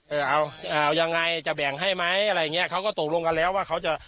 เออเอาเอายังไงจะแบ่งให้ไหมอะไรอย่างเงี้เขาก็ตกลงกันแล้วว่าเขาจะ